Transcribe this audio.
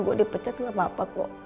gue dipecat gak apa apa kok